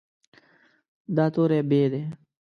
دا توری "ب" دی.